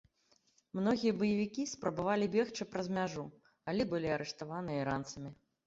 Многія баевікі спрабавалі бегчы праз мяжу, але былі арыштаваныя іранцамі.